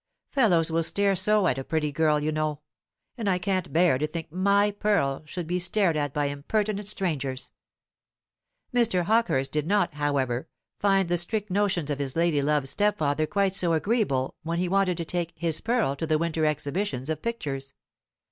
Fellows will stare so at a pretty girl, you know; and I can't bear to think my pearl should be stared at by impertinent strangers." Mr. Hawkehurst did not, however, find the strict notions of his lady love's stepfather quite so agreeable when he wanted to take his "pearl" to the winter exhibitions of pictures.